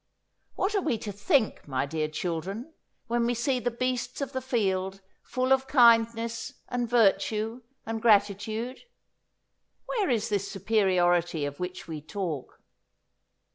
What are we to think, my dear children, when we see the beasts of the field full of kindness and virtue and gratitude? Where is this superiority of which we talk?